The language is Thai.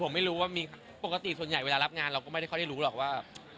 ผมไม่รู้ว่ามีปกติส่วนใหญ่เวลารับงานเราก็ไม่ได้ค่อยได้รู้หรอกว่า